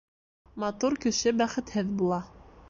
Матур кеше бәхетһеҙ була.